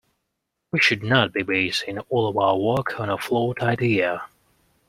We should not be basing all of our work on a flawed idea.